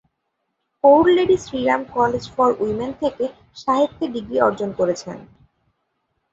Kaur Lady Shri Ram College for Women থেকে সাহিত্যে degree অর্জন করেছেন।